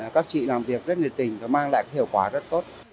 các chị làm việc rất nhiệt tình và mang lại hiệu quả rất tốt